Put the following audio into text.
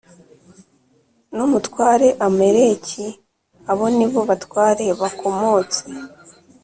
n umutware Amaleki Abo ni bo batware bakomotse